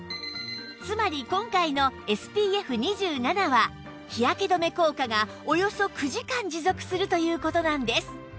つまり今回の ＳＰＦ２７ は日焼け止め効果がおよそ９時間持続するという事なんです